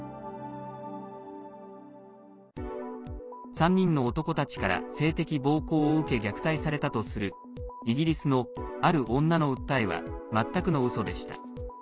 ３人の男たちから性的暴行を受け虐待されたとするイギリスのある女の訴えは全くのウソでした。